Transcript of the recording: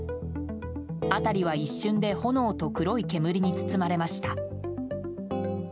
辺りは一瞬で炎と黒い煙に包まれました。